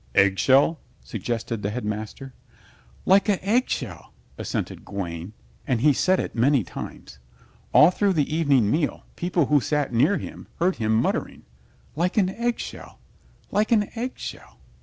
"Egg shell," suggested the Headmaster. "Like a egg shell," assented Gawaine, and he said it many times. All through the evening meal people who sat near him heard him muttering, "Like a egg shell, like a egg shell."